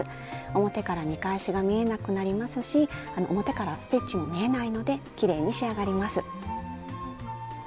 表から見返しが見えなくなりますし表からはステッチも見えないのできれいに仕上がります。